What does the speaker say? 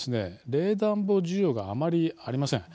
冷暖房需要があまりありません。